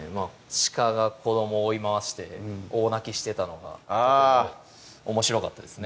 鹿が子どもを追い回して大泣きしてたのがおもしろかったですね